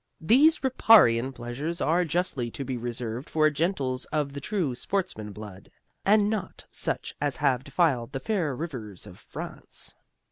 These riparian pleasures are justly to be reserved for gentles of the true sportsman blood, and not such as have defiled the fair rivers of France.